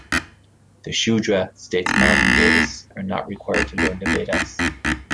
The Shudra, states Marvin Davis, are not required to learn the Vedas.